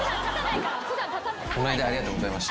この間ありがとうございました。